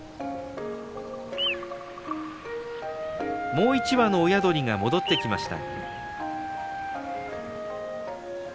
もう１羽の親鳥が戻ってきました。